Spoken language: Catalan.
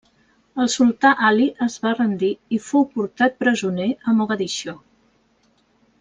El sultà Ali es va rendir i fou portat presoner a Mogadiscio.